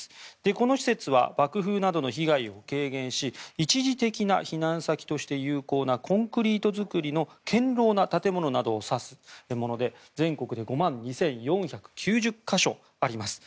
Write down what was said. この施設は爆風などの被害を軽減し一時的な避難先として有効なコンクリート造りの堅牢な建物などを指すもので全国で５万２４９０か所あります。